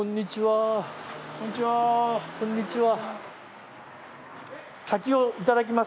こんにちは。